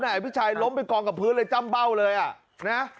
อภิชัยล้มไปกองกับพื้นเลยจ้ำเบ้าเลยอ่ะนะ